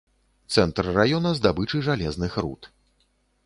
Цэнтр раёна здабычы жалезных руд.